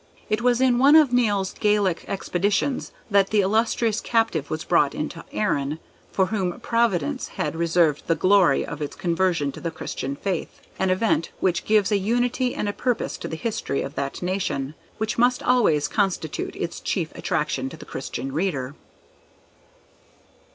It was in one of Nial's Gallic expeditions that the illustrious captive was brought into Erin, for whom Providence had reserved the glory of its conversion to the Christian faith—an event which gives a unity and a purpose to the history of that Nation, which must always constitute its chief attraction to the Christian reader.